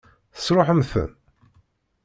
Tesṛuḥem-ten?